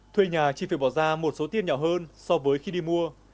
thuê nhà chỉ phải bỏ ra một số tiền nhỏ hơn so với khi đi mua